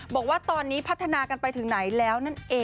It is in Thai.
บอกว่าตอนนี้พัฒนากันไปถึงไหนแล้ว